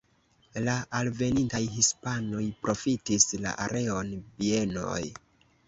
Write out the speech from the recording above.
La alvenintaj hispanoj profitis la areon bienoj.